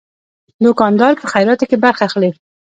دوکاندار په خیراتو کې برخه اخلي.